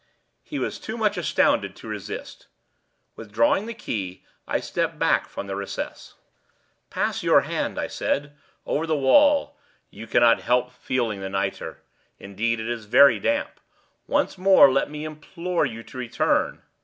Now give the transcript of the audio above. He was too much astounded to resist. Withdrawing the key I stepped back from the recess. "Pass your hand," I said, "over the wall; you cannot help feeling the nitre. Indeed it is very damp. Once more let me implore you to return.